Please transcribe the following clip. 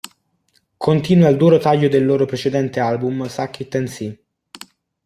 Continua il duro taglio del loro precedente album Suck It and See.